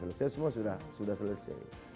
selesai semua sudah selesai